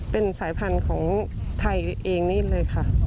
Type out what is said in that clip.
เป็นสายพันธุ์ของไทยเองนี่เลยค่ะ